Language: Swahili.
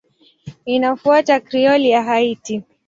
Inafuata Krioli ya Haiti.